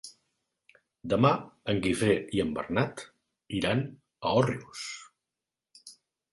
Demà en Guifré i en Bernat iran a Òrrius.